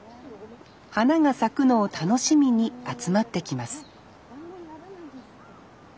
花が咲くのを楽しみに集まってきます